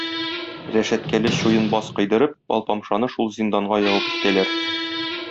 Рәшәткәле чуен баз койдырып, Алпамшаны шул зинданга ябып китәләр.